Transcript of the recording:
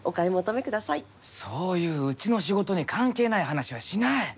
そういううちの仕事に関係ない話はしない！